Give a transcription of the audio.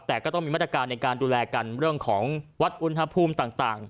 แต่ก็ต้องมีมาตรการในการดูแลกันเรื่องของวัดอุณหภูมิต่าง